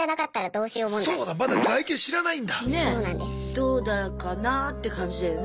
どうだかなって感じだよね。